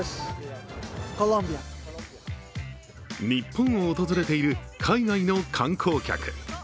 日本を訪れている海外の観光客。